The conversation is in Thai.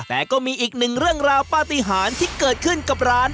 แต่ก็มีอีกหนึ่งเรื่องราวปฏิหารที่เกิดขึ้นกับร้าน